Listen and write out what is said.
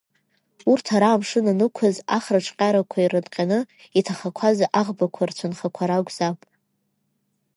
Урҭ ара амшын анықәыз ахра ҿҟьарақәа ирынҟьаны иҭахаз аӷбақәа рцәынхақәа ракәзаап.